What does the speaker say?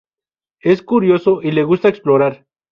Es curioso y le gusta explorar.